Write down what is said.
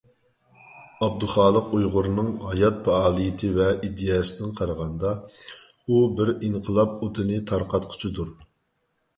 ئابدۇخالىق ئۇيغۇرنىڭ ھايات پائالىيىتى ۋە ئىدىيەسىدىن قارىغاندا، ئۇ بىر ئىنقىلاب ئوتىنى تارقاتقۇچىدۇر.